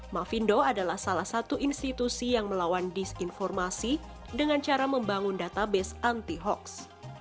mavindo adalah salah satu institusi yang melawan disinformasi dengan cara membangun database anti hoax